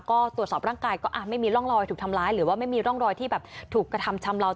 ก็ตรวจสอบร่างกายก็ไม่มีร่องรอยถูกทำร้ายหรือว่าไม่มีร่องรอยที่แบบถูกกระทำชำเลา